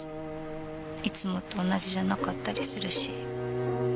いつもと同じじゃなかったりするし。